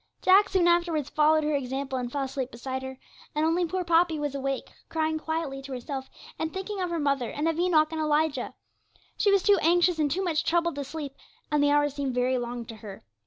Jack soon afterwards followed her example and fell asleep beside her, and only poor Poppy was awake, crying quietly to herself, and thinking of her mother and of Enoch and Elijah. She was too anxious and too much troubled to sleep, and the hours seemed very long to her.